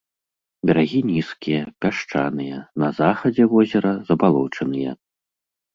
Берагі нізкія, пясчаныя, на захадзе возера забалочаныя.